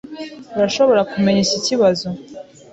Urashobora kumenya iki kibazo?